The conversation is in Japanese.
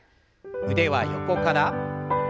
腕は横から。